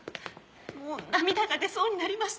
もう涙が出そうになりました。